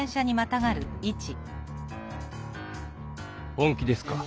本気ですか？